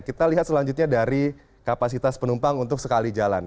kita lihat selanjutnya dari kapasitas penumpang untuk sekali jalan